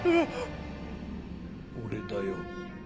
俺だよ。